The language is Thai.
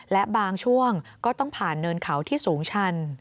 และบางช่วงก็ต้องผ่านเนินเขาที่สูงชัน